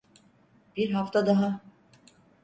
Bir hafta daha.